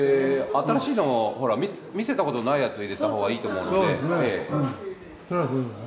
新しいのをほら見せたことないやつを入れた方がいいと思うので。